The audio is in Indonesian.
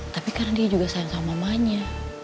tapi karena dia juga sayang sama mamanya